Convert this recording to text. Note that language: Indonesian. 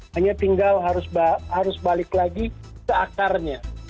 hanya tinggal harus balik lagi ke akarnya